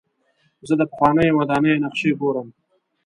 زه د پخوانیو ودانیو نقشې ګورم.